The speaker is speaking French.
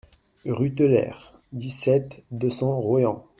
Rue Teulère, dix-sept, deux cents Royan